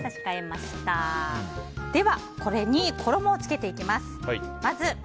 では、これに衣をつけていきます。